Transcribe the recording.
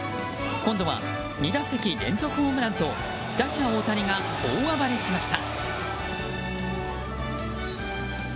今度は２打席連続ホームランと打者・大谷が大暴れしました。